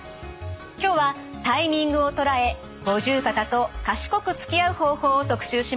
今日はタイミングを捉え五十肩と賢くつきあう方法を特集します。